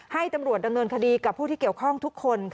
ให้ตำรวจดำเนินคดีกับผู้ที่เกี่ยวข้องทุกคน